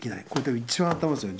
一番頭ですよ。